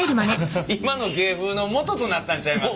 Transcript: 今の芸風のもととなったんちゃいます？